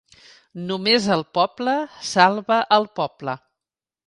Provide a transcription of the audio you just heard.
Només el poble salva al poble!